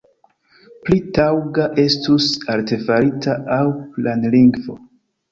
Pli taŭga estus artefarita aŭ planlingvo.